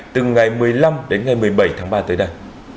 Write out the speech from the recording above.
từ ngày một mươi năm đến ngày một mươi bảy tháng ba tới đây